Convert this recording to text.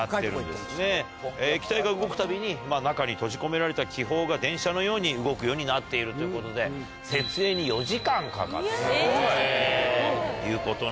液体が動くたびに中に閉じ込められた気泡が電車のように動くようになっているということで設営に４時間かかっているということなんですね。